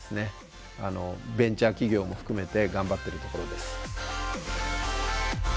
ベンチャー企業も含めて頑張ってるところです。